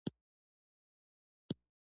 نیت صفاء کړه منزل ته خپله رسېږې.